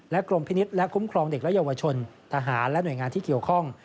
กรมพินิษฐ์และคุ้มครองเด็กและเยาวชนทหารและหน่วยงานที่เกี่ยวข้อง